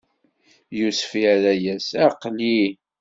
Yusef irra-yas: Aql-i!